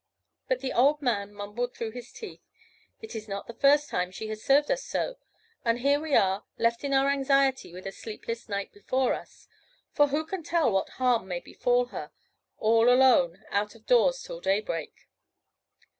But the old man mumbled through his teeth: "It is not the first time she has served us so. And here are we, left in our anxiety with a sleepless night before us; for who can tell what harm may befall her, all alone out of doors till daybreak?"